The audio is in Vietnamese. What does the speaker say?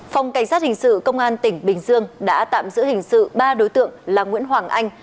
phòng cảnh sát hình sự công an tỉnh bình dương đã tạm giữ hình sự ba đối tượng là nguyễn hoàng anh